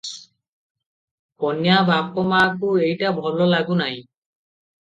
କନ୍ୟା ବାପ ମାଙ୍କୁ ଏଇଟା ଭଲ ଲାଗୁନାହିଁ ।